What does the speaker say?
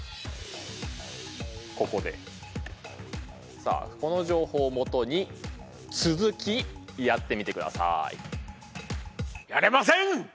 さあこの情報を基に続きやってみてください。